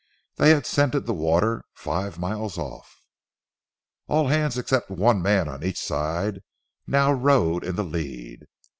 They had scented the water five miles off. "All hands except one man on each side now rode in the lead.